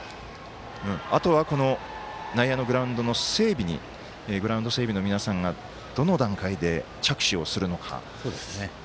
あとは、この内野のグラウンドの整備にグラウンド整備の皆さんがどの段階で着手するのか。